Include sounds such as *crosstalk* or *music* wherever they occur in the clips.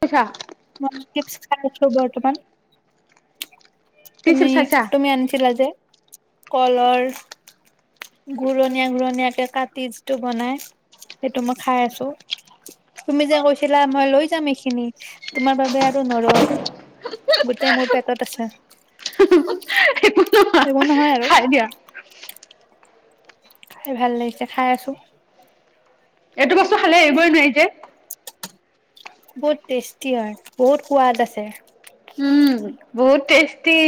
চাইছা মই চিপছ খাইছোঁ বৰ্তমান। তুমি টিচিপ চাইছা তুমি আনছিলা যে। কলৰ ঘুৰণীয়া ঘুৰণীয়াকে কাট তীজটো বনাই সেইটো মই খাই আছো। তুমি যে কৈছিলা মই লৈ যাম এইখিনি তোমাৰ বাবে আৰু নৰ গোটেই মোৰ পেটত আছে। একো নহয় তুপ খাই দিয়া। খাই ভাল লাগিছে খাই আছোঁং। এইটো বস্ত খালে এইবোৰই নোৱাৰি। এক *unintelligible* বহুত টেষ্টি হয় বহুত সোৱাদ আছে। উম বহুত টেষ্টি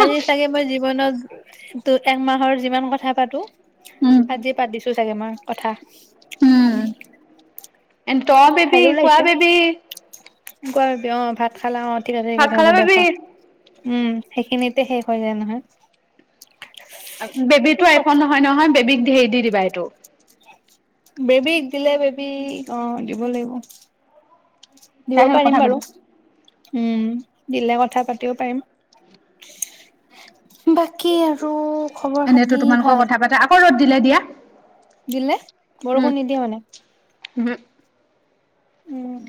আজি চাগে মই জীৱনত তু একমাহৰ যিমান কথা পাতো উম আজি পাতিছোঁ। চাগে মই কথা। *inaudible* এণ্ড ত বেবী ভালো কোৱা লাগিছে বেবী। কোৱা বেবী অ ভাত খালা অ ঠিক আছে তেন্তে হ'ব খালা দিয়া বেবি খোৱা। উম সেইখিনিতে শেষ হৈ যায় নহয়। বেবীতো আই ফোন কথা নহয় নহয় বেবীক হেৰি দি দিবা এইটো। বেবীক দিলে বেবী অ দিব লাগিব। দিব তাই লগত পাৰিম কথা বাৰু পাতি উম দিলে কথা পাতিব পাৰিম। বাকী আৰু খবৰ এনেইতো খাতি তোমালোকৰ ভাল কথা পাতে। আকৌ ৰ'দ দিলে দিয়া। দিলে। বৰষুণ নিদিয়ে মানে ওহোঁ উম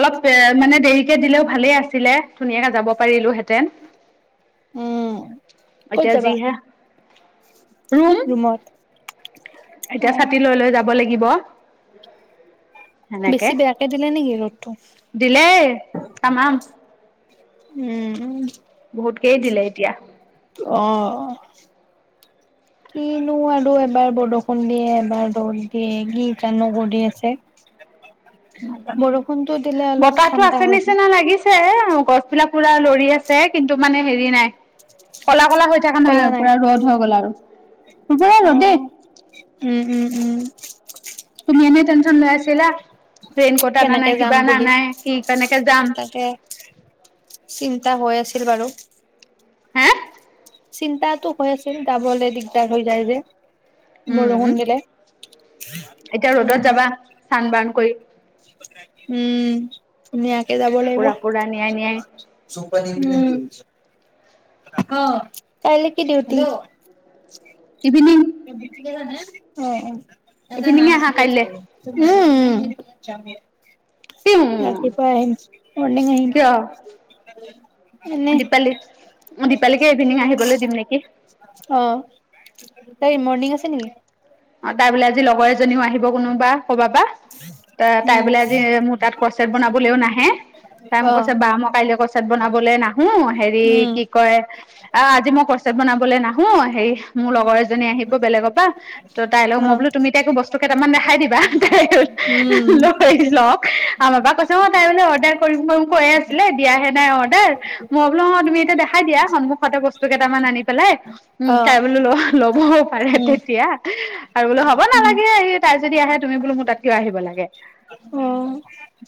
অলপ এ মানে দেৰিকে দিলেওঁ ভালেই আছিলে। ধুনীয়াকে যাব পাৰিলোহেঁতেন। উম ক'ত এতিয়া যি যাবা হে--ৰুম ৰুমত অ এতিয়া ছাতি লৈ লৈ যাব লাগি গিব। সেনেকে। বেছি বেয়াকে দিলে নেকি ৰ'দটো দিলেই তামাম উম উম বহুতকেই দিলে এতিয়া। অ কিনো আৰু এবাৰ বৰষুণ দিয়ে এবাৰ ৰ'দ দিয়ে কি জানো কৰি আছে? নাজানো। বৰষুণটো দিলে অলপ বতাহতো ঠাণ্ডা আছে হ'ল হয় নিচিনা লাগিছে আৰু গছ বিলাক পুৰা লৰি আছে, কিন্তু মানে হেৰি নাই। ক'লা ক'লা হৈ থকা নাই আৰু পুৰা ৰ'দ হৈ গ'ল আৰু বৰ অ ৰ'দ দেই। উম উম উম তুমি এনেই টেনশ্যন লৈ আছিলা। ৰেইনকোট অনা কেনেকে নাই, যাম কিবা অনা বুলি নাই, কি, কেনেকে যাম? তা হৈ আছিল বাৰু। হে চিন্তাটো হৈ আছিল যাবলৈ দিগদাৰ হৈ যায় যে। বৰষুণ দিলে উম--এতিয়া ৰ'দত উম যাবা। চানবান কৰি উম ধুনীয়া। কেযাব লাগিব। পুৰা পুৰা নিয়াই নিয়াই উম অ কাইলে কি দিউটিঅ? ইভিনিং কি কৈছে অ অ ইয়াতে ইভিনিঙে মাছ আহা পুৰি কাইলে আছো উম উম *unintelligible* *unintelligible* ৰাতিপুৱা আহিছোঁ মৰ্নিং আহিম কিয় এনেই দীপালী দীপালীকে ইভিনিং আহিবলৈ দিম নেকি অ। তাই মৰ্ণিং আছে নেকি? তাৰবোলে আজি লগৰ এজনীও আহিব কোনোবা কবাৰপা। তা তাই উম বোলে আজি মোৰ তাত কচেত বনাবলৈও নাহে তাই মোক অ কৈছে বা মই কাইলৈ কচেট বনাবলে নাহো হেৰি উম কি কয় আহ আজি মই কচেট বনাব বোলে না হো হেৰি মোৰ লগৰ এজনী আহিব বেলেগৰ পা ত তাই লগ অ মই বোলো তুমি তাইকো বস্তু কেইটামান দেখাই দিব উম লৈ লওঁক আৰু বাপাক কৈছে অ তাই বোলে অৰ্ডাৰ কৰিম কৰিম কৈয়ে আছিলে দিয়াহে নাই অৰ তাৰ মই বোলো অ তুমি এতিয়া দেখাই দিয়া সন্মুখতে বস্তু কেইটামান আনি পেলাই উম অ তাই বোলো লবও পাৰে উম তেতিয়া। আৰু বোলো হব উম নালাগে আহি তাই যদি আহে তুমি বোলো মোৰ তাত কিয় আহিব লাগে অ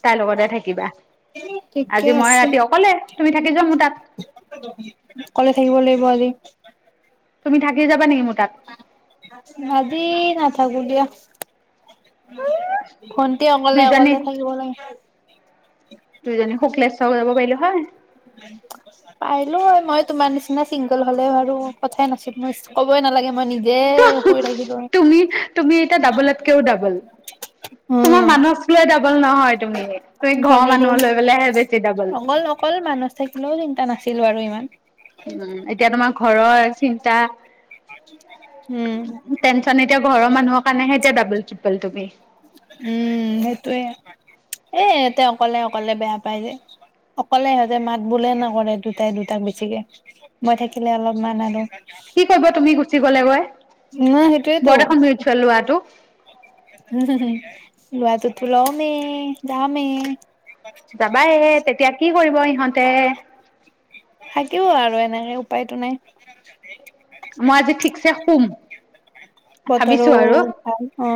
তাইৰ লগতে থাকিবা ঠিকে আজি মই আছে ৰাতি অকলে। তুমি থাকি যোৱা মোৰ তাত অকলে থাকিব লাগিব আজি। *inaudible* তুমি থাকি যাবা নেকি মো ভাজি নাচ হ'ব দিয়া ভণ্টি অকলে দুইজনী অকলে থাকিব লাগিব কৈলো হয়? পাৰিলো হয় মই তোমাৰ নিচিনা চিংগল হলে বাৰু কথাই নাছিল মই ক'বই নালাগে মই নি তুমি তুমি এতিয়া ডাবলতকেও ডাবল তোমাৰ তোমাৰ নহয় তুমি তুমি ঘৰৰ ঘৰৰো মানুহ লৈপেলেহে বেছি ডাবল। অকল অকল মানুহ থাকিলেও চিন্তা নাছিলো আৰু ইমান। উম এতিয়া তোমাক ঘৰৰ চিন্তা উম। টেনচন এতিয়া ঘৰৰ মানুহক কাৰনেহেতিয়া ডাবল ত্ৰিপুল তুমি। সেইটোয়ে এ এতিয়া অকলে অকলে বেয়া পাই যে অকলে সহজে মাত বোলে নকৰে দুটাই দুটাক বেছিকে মই থাকিলে অলপমান আৰু। কি কয়িব তুমি গুচি গলেগৈ ন সেইটোয়েতো। বৰদখন *unintelligible* লোৱাটো পলও মে দাহ মে যাবাই তেতিয়া কি কৰিব ইহঁতে? উপাইতো নাই। মই আজি ঠিকছে শুম। বতৰো ভাবিছো আৰু ভাল অ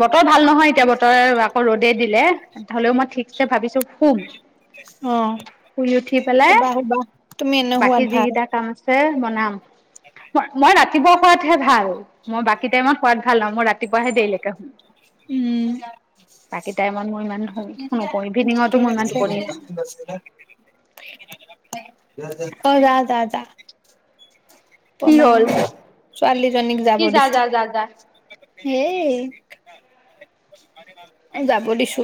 বতৰ ভাল নহয় এতিয়া। বতৰ আৰু বাগ ৰ'দে দিলে হলেও মই ঠিকছে ভাবিছো শুম, অ শুই উঠি পেলাই শুবা শুবা তুমি এনে বাকী শুৱাত ভাল যিকেইটা কাম আছে। বনাম, মই ৰাত ৰাতিপোৱাত খোৱাতহে ভাল মই বাকী টাইমত খোৱাত ভাল ন মই ৰাতিপুৱাহে দেইলেকে শুম বাকী টাইম মন মই মাত থিকে আছে নাহে *inaudible* অ জা-জা-জা কি তমা হ'ল ছোৱালীজনীক যাব কি যা দিছো। যা যা যা হেই যাব দিছো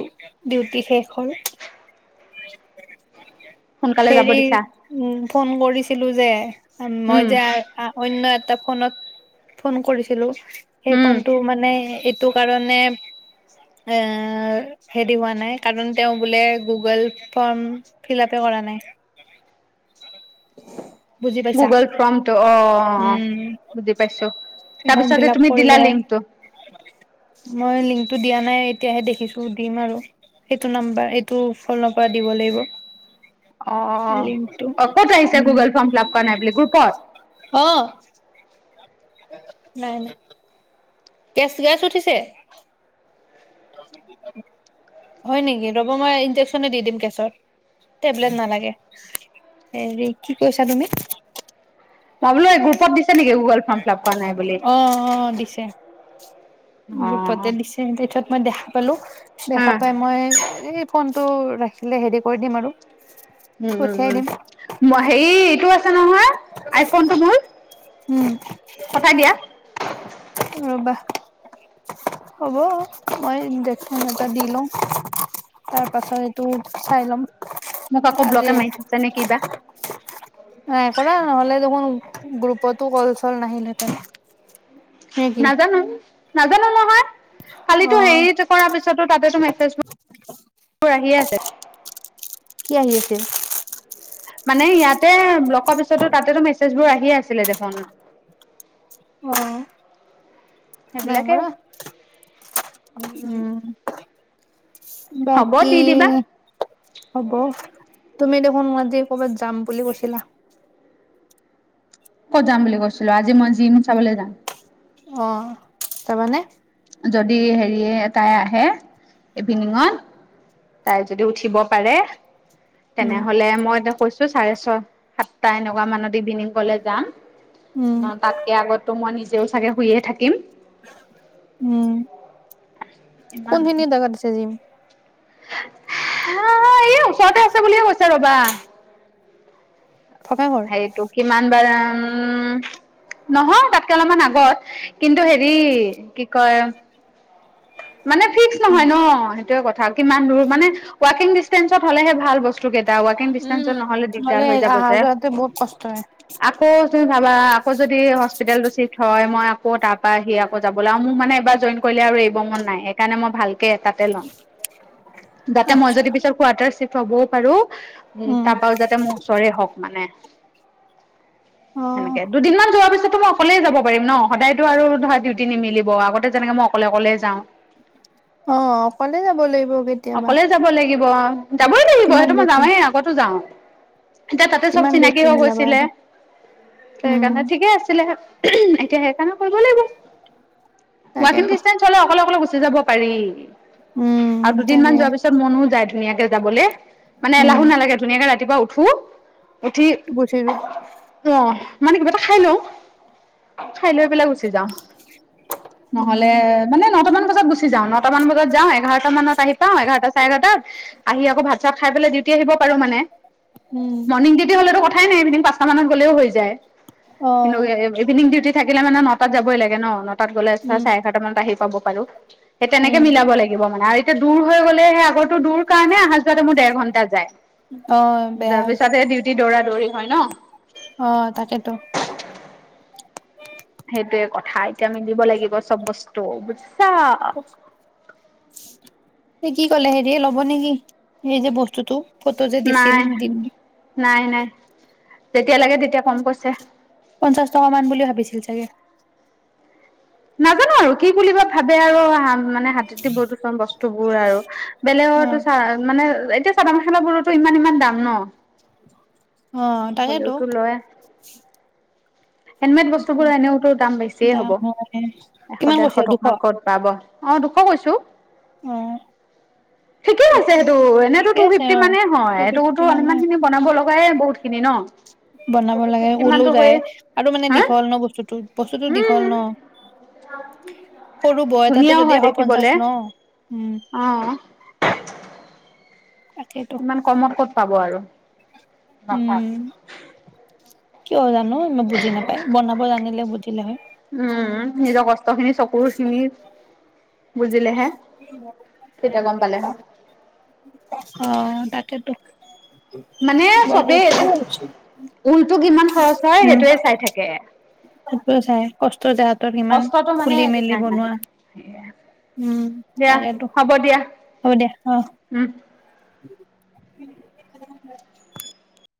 ডিউটি শেষ হ'ল। *unintelligible* সোনকালে যাব হেৰি দিছা উম ফোন কৰিছিলো যে, মই উম যে অনয় এট টা ফোনত ফোন কৰিছিলো। সেই উম ফোনটো মানে এট টো কাৰণে এ হেৰি হোৱা নাই। কাৰণ তেওঁ বোলে গুগল ফৰ্ম ফিল আপে কৰা নাই। *unintelligible* বুজি পাইছা, গুগল ফৰ্মটো অ অ উম বুজি পাইছো *unintelligible* তাৰপিছতে ফিল আপ তুমি দিলা কৰিলেহে লিংকটো মই লিংকটো দিয়া নাই। তেতিয়াহে দেখিছো দিম আৰু সেইটো নাম্বাৰ এইটো ফনৰ পৰা দিব লাগিব। লিংকটো অ-অ-অ ক'ত আহিছ উম গুগল ফৰ্ম ফ্লপ কৰা নাই বুলি গুপট নাই-নাই কেছ গেছ উঠিছে? হয় নেকি ৰ'ব মই ইনজেকচনে দি দিম কেছত টেবলেট নালাগে, হেৰি কি কৈছা তুমি? ভাবলো গ্ৰুপত দিছে নেকি গুগল ফ্ম ফিল আপ কৰা নাই বুলি? গুপত অ দিছে দেথত মই দেখা পালোঁ। হা দেখা পাই মই এই ফোনটো ৰাখিলে হেৰি কৰি দিম আৰু উম উম পঠিয়াই দিম উম হেৰি এইটো আছে নহয়। আইফোনটো মোৰ উম পঠাই দিয়া ৰবা হ'ব মই ইনজেকচন এটা দি লওঁ তাৰ পাছত এইটো চাই ল'ম। মোক আকৌ আজি ব্লকে মাৰি থচ নে কিবা নাই কৰা নহ'লে দেখোন গ্ৰুপতো কল চল নাহিলহেঁতেন নে কি নাজানো নাজানো নহয় অ কালিটো হেৰি কৰাৰ পিছতো তাতেতো মেছেজবোৰ আহিয়ে আছে। কি আহি আছিল মানে ইয়াত তে ব্লক কৰা পিছতো তাতে মেছেজ বোৰ আহি সি আছিলে দেখোন। অ' নাই সেইবিলাকে মৰা, উম। হ'ব বাকী, দি দিবা হ'ব। তুমি দেখোন মোক আজি ক'ৰবাত যাম বুলি কৈছিলা। ক'ত যাম বুলি কৈছিলো আজি মই জিম চাবলৈ যাম। অ' যাবানে? যদি হেৰিয়ে তাই আহে ইভিনিঙত। তাই যদি উঠিব পাৰে। তেনে উম হ'লে মই কৈছো চাৰে ছয় সাতটা এনেকুৱা মানত ইভিনিং গ'লে যাম। উম না তাতকে আগতো মই নিজে তেৱ চাগে শুইয়ে থাকিম। উম। ইমান কোনখিনি জেগাত আছে জিম? এই ওচৰতে আছে বুলিয়ে কৈছে ৰ'বা। থকা ঘৰ? হেৰিটো কিমান ভাড়া? উম, নহয় তাতকে অলপমান আগত কিন্তু হেৰি কি কয় মানে ফিক্স উম, নহয় ন। সেইটোৱে কথা কিমান দূৰ মানে ৱাকিং ডিচটেনচ। হ'লেহে ভাল বস্তু তোৰ কেটা ৱািকং উম। ডিচনটেচত নহলে দিগদাৰ হৈ যাব আহা যে যোৱাতে বহুত কষ্ট হয়। আকৌ তুমি ভাবা আকৌ যদি হস্পিতেলতটো চিফট হয় মই আকৌ আকৌ তাৰ পৰা আহি আকৌ যাবলৈ আৰু মোৰ মানে এইবাৰ জইন কৰিলে আৰু বঙন নাই সেইকাৰণে মই ভাল তাতে ল'ম যাতে মই আচ্ছা, যদি পিছত কোৱাটাৰ চিফট। থবও পাৰোঁ। উম, তাৰপাও যাতে মোৰ ওচৰে হওঁক মানে। অ'। সেনেকে, দুদিনমান যোৱা পিছত ত' মই অকলে যাব পাৰিম ন'। সদায়টো আৰু ধৰা ডিউটি নিমিলিব আগতে যেনেকে মই অকলে অকলে যাওঁ। অ', অকলে যাব লাগিব কেতিয়াবা। অকলে *unintelligible* যাবই লাগিব, কিমান সেইটো মই ডিউটি যাওঁয়ে আগতো যাওঁ। এতিয়া তাতে চব কিমান চিনাকি ডিউটি হৈ মিলাবা গৈছিলে, আৰু। উম, সেইকাৰণে ঠিকে আছিলে। এতিয়া সেইকাৰণে কৰিব লাগিব, ৱাকিং তাকেতো ডিচটেন্স অকলে, অকলে গুচি যাব পাৰি। উম, আৰু দুদিনমান তাকে যোৱাৰ পিছত মনো যায়। ধুনীয়াকে যাবলে মানে উম, এলাহু নালাগে ধুনীয়াকে ৰাতি ৰাতিপুৱা উঠো উঠি, গুচি যোৱা অহ' মানে কিবা এটা খাই লও, খাই লৈ পেলাই গুচি যাওঁ। উম, নহ'লে নটামান বজাত গুচি যাওঁ, নটামান বজাত যাওঁ এঘাৰ মানত আহি পাওঁ, এঘাৰটা চাৰে এঘাৰটাত আহি আকৌ ভাত চাত খাই পেলাই ডিউটি তি আহিব পাৰোঁ মানে। উম, মৰ্ণি ডিউটি হলেতো কথাই নাই ইভিনিং পাঁচটা মানত গ'লেও হৈ যায়। যায়। অ', *unintelligible* ইিভিনিং ডিউটি থাকিলে মানে নটাত যাবই লাগে ন, নটা নটাত, গ'লে উম, চাৰে এাৰটা মান আহি পাব পাৰোঁ। সেই তেনেকে উম, মিলাব লাগিব মানে আৰু এতিয়া দূৰ হৈ গ'লে সেই আগৰো দূৰ কাৰণে আহা যোৱাতে মোৰ দেৰ ঘন্টা যায় অ', বেয়া তাৰ হৈ পিছত যায়। সে ডিউটি দৌৰা *unintelligible* হয় ন! অ', তাকেতো সেইটোয়ে কথা এতিয়া আমি দিব লাগিব চব বস্তু বুজ *inaudible* এই কি কলে হেৰিয়ে ল'ব নেকি? এই যে বস্তুটো? ফটো যে দিছিল নাই, দিম নাই-নাই। যেতিয়া লাগে তেতিয়া ক'ম কৈছে। পঞ্চাছ টকা মান বুলি ভাবিছিল চাগে। নাজানো আৰু কি বুলি বা ভাবে আৰু মানে হাত দ-বতো চ-বস্তু বোৰ আৰু বেলেগো অ'। চ, মানে এতিয়া চাদৰ মেখালা বোৰতো ইমান ইমান দাম ন। অ, তাকেতো। হ'লেওতো লয়। হেণ্ডমেড বস্তুবোৰ এনেওতো দাম বেছিয়ে হ'ব, দাম হয় এশ কিমান কৈছে ডেৰশ দুশ টকা ক'ত পাব। অ', দুশ কৈছো। অ' ঠিকে আছে সেইটো এনেতো ঠিকে আছে টু-ফিফটি অ মানে হয় টু এইটোতো ফিফটি মানে অলমান খিনি বনাব লগাই বহুত ন ত বনাব টু লাগে ফিফটি ওলো মানতো যায় হয়ে আৰু মানে হা দীঘল ন, বস্তুটো-বস্তুতটো দীঘল উম ন, সৰু বয় তাতে ধুনীয়াও যদি হয় এশ পঞ্চাশ দেখিবলে ন উম অ'। তাকেইতো ইমান কমত ক'ত পাব আৰু। বাপা উম কিয় জানো মই বুজি নাপায় বনাব জানিলে বুজিলে হয় উম', নিজৰ কষ্ট খিনি চকুৰ খিনি বুজিলে হে। *unintelligible* অ', তাকেইেতো। মানে চবেই, এইটো ঊলটো কিমান খৰচ হয় সেইটোৱে চাই থাকে। সেই চাই কষ্ট যে হাতত ইমান কষ্টটো মানে খুলি-মেলি নাই মানে বনোৱা সেয়া উম, দিয়া তাকেতো হ'ব দিয়া হ'ব দিয়া অ',। উম। উম।